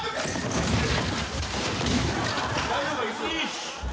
大丈夫か？